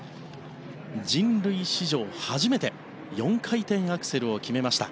人類史上初めて４回転アクセルを決めました